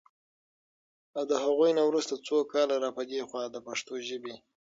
او د هغوی نه وروسته څو کاله را پدې خوا د پښتو ژبې